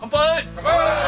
乾杯！